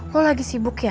lo lagi sibuk ya